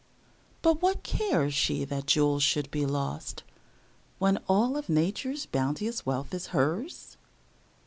But what cares she that jewels should be lost, When all of Nature's bounteous wealth is hers?